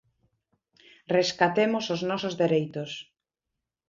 Rescatemos os nosos dereitos.